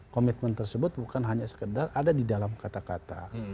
komitmen tersebut bukan hanya sekedar ada di dalam kata kata